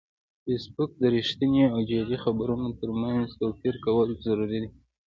فېسبوک د رښتینې او جعلي خبرونو ترمنځ توپیر کول ضروري دي